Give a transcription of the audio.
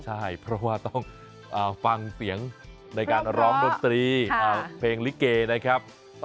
ใช่เพราะว่าต้องฟังเสียงในการร้องดนตรีเพลงลิเกนะครับ